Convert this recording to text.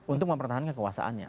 untuk mempertahankan kekuasaannya